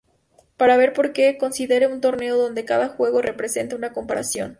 Para ver por que, considere un torneo donde cada juego represente una comparación.